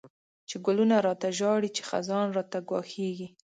چی گلونه را ته ژاړی، چی خزان راته گواښیږی